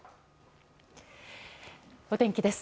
お天気です。